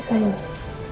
kamu di sini